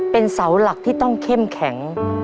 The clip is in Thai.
เป็นเสาหลักที่ต้องเข้มแข็ง